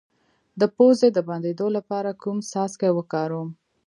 د پوزې د بندیدو لپاره کوم څاڅکي وکاروم؟